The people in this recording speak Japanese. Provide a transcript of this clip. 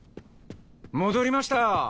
戻りました！